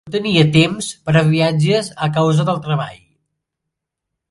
No tenia temps per a viatges a causa del treball.